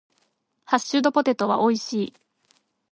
ハッシュドポテトは美味しい。